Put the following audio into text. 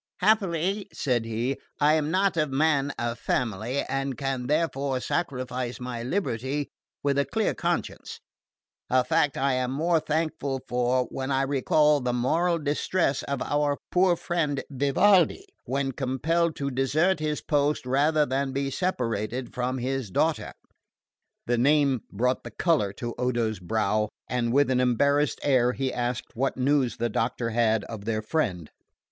"Happily," said he, "I am not a man of family, and can therefore sacrifice my liberty with a clear conscience: a fact I am the more thankful for when I recall the moral distress of our poor friend Vivaldi, when compelled to desert his post rather than be separated from his daughter." The name brought the colour to Odo's brow, and with an embarrassed air he asked what news the doctor had of their friend.